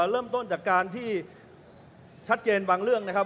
เริ่มต้นจากการที่ชัดเจนบางเรื่องนะครับ